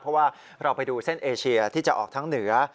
เพราะว่าเราไปดูเส้นเอเชียที่จะออกทั้งเหนือ